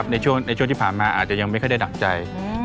ในช่วงที่ผ่านมาอาจจะยังไม่ค่อยได้ดักใจ